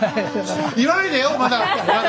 言わないでよまだ！